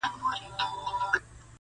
لوڅ لپړ وو په كوټه كي درېدلى٫